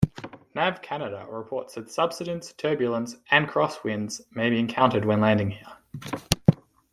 Nav Canada reports that subsidence, turbulence and cross-winds may be encountered when landing here.